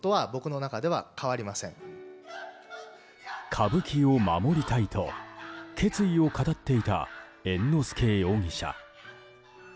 歌舞伎を守りたいと決意を語っていた猿之助容疑者。